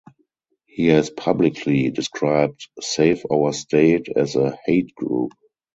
He has publicly described Save Our State as a 'hate group'.